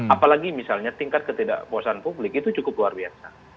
apalagi misalnya tingkat ketidakpuasan publik itu cukup luar biasa